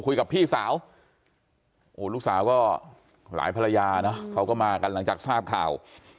พี่สาวโอ้ลูกสาวก็หลายภรรยาเนอะเขาก็มากันหลังจากทราบข่าว